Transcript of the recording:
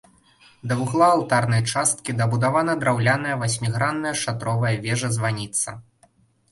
Да вугла алтарнай часткі дабудавана драўляная васьмігранная шатровая вежа-званіца.